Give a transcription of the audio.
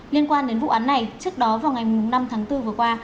liên quan đến vụ án này trước đó vào ngày năm tháng bốn vừa qua